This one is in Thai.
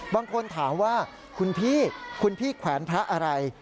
บางคนถามว่าคุณพี่ควานพระอะไร